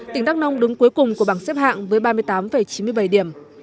tỉnh đắk nông đứng cuối cùng của bảng xếp hạng với ba mươi tám chín mươi bảy điểm